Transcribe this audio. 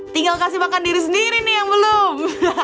tinggal kasih makan diri sendiri nih yang belum